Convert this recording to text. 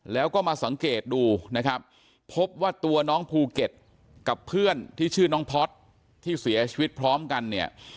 แล้วก็มาสังเกตดูนะครับพบว่าตัวน้องภูเก็ตกับเพื่อนที่ชื่อน้องพอร์ตที่เสียชีวิตพร้อมกันเนี่ย